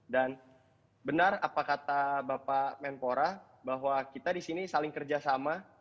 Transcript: dan benar apa kata bapak menpora bahwa kita disini saling kerjasama